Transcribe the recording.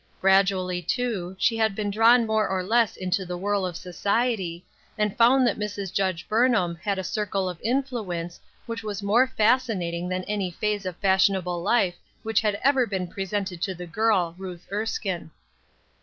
Gradually, too, she had been drawn more or less into the whirl of society, and found that Mrs. Judge Burnham had a circle of influence which was more fascinating than any phase of fashionable life which had ever been presented to the girl, Ruth Erskine.